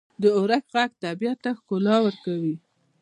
• د اورښت ږغ طبیعت ته ښکلا ورکوي.